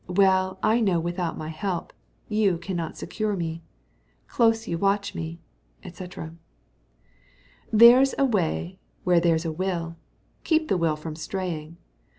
Well I know without my help You can not secure me. Close you watch me, &c. There's a way where there's a will: Keep the will from straying.